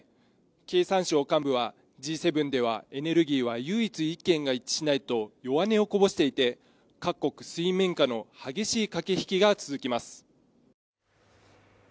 経産省幹部は、Ｇ７ではエネルギーは唯一意見が一致しないと弱音をこぼしていて、各国水面下の激しい駆け引きが続きます。